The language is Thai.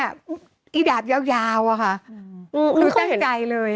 อีดาบยาวอะค่ะคือตั้งใจเลย